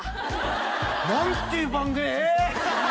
何ていう番組え！